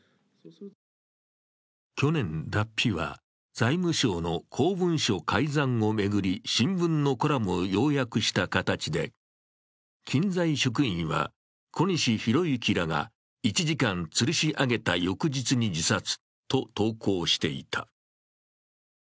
去年、Ｄａｐｐｉは財務省の公文書改ざんを巡り新聞のコラムを要約した形で、近財職員は小西洋之らが１時間つるし上げた翌日に自殺と投稿していた。